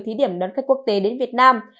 thí điểm đón khách quốc tế đến việt nam